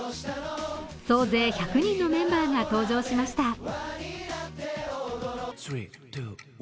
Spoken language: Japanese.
総勢１００人のメンバーが登場しました。